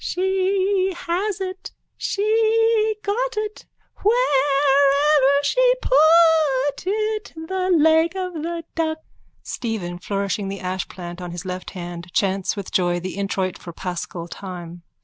_ She has it, she got it, Wherever she put it, The leg of the duck. (Stephen, flourishing the ashplant in his left hand, chants with joy the introit _for paschal time.